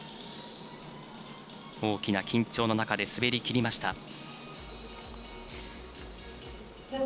大きな緊張の中で滑りきりました。